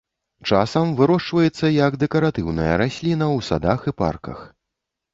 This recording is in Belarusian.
Часам вырошчваецца як дэкаратыўная расліна ў садах і парках.